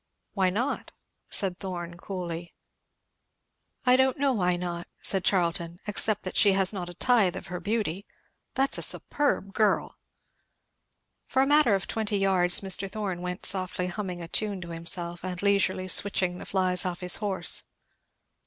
"Why not?" said Thorn coolly. "I don't know why not," said Charlton, "except that she has not a tithe of her beauty. That's a superb girl!" For a matter of twenty yards Mr. Thorn went softly humming a tune to himself and leisurely switching the flies off his horse.